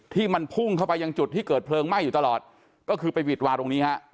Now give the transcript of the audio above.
ที่มันพุ่งเข้าไปยังจุดที่เกิดเพลิงไหม้อยู่ตลอดก็คือไปหวิดวาตรงนี้ฮะ